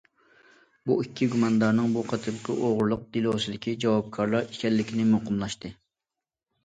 بۇ ئىككى گۇماندارنىڭ بۇ قېتىمقى ئوغرىلىق دېلوسىدىكى جاۋابكارلار ئىكەنلىكى مۇقىملاشتى.